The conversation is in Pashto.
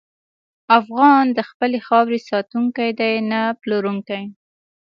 افغان د خپلې خاورې ساتونکی دی، نه پلورونکی.